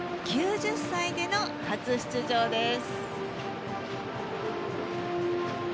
９０歳での初出場です。